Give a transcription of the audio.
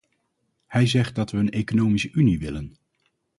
Hij zegt dat we een economische unie willen.